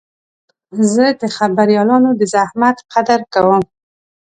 زه د خبریالانو د زحمت قدر کوم.